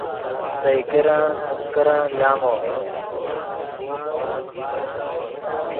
سئے کرن سیم کرن لامو